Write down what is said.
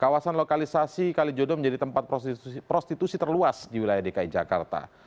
kawasan lokalisasi kalijodo menjadi tempat prostitusi terluas di wilayah dki jakarta